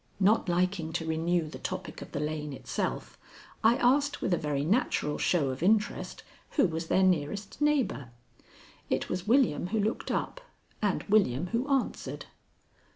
Not liking to renew the topic of the lane itself, I asked with a very natural show of interest, who was their nearest neighbor. It was William who looked up and William who answered.